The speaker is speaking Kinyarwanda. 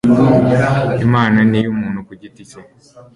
Imana ni iy'umuntu kugiti cye.